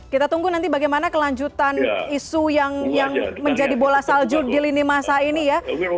kita tunggu nanti bagaimana kelanjutan isu yang menjadi bola salju di lini masa ini ya